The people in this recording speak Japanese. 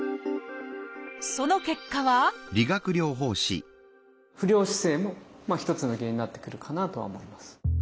その結果は不良姿勢も一つの原因になってくるかなとは思います。